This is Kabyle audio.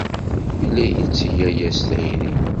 Yella yetteg aya s tayri.